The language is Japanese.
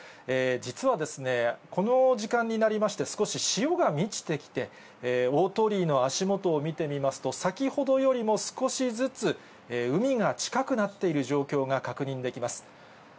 実はですね、この時間になりまして、少し潮が満ちてきて、大鳥居の足元を見てみますと、先ほどよりも少しずつ海が近くなっている状況が確認できます。